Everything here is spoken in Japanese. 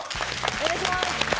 お願いいたします